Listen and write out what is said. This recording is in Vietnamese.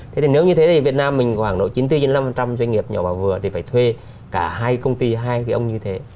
thế thì nếu như thế thì việt nam mình khoảng độ chín mươi bốn năm doanh nghiệp nhỏ và vừa thì phải thuê cả hai công ty hai cái ông như thế